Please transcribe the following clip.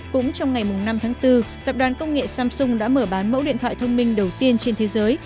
cũng trong ngày năm tháng bốn tập đoàn công nghệ samsung đã mở bán mẫu điện thoại thông minh đầu tiên trên thế giới